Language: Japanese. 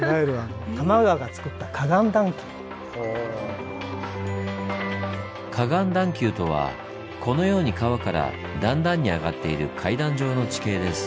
河岸段丘とはこのように川から段々に上がっている階段状の地形です。